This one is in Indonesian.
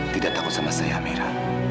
tidak takut sama saya amira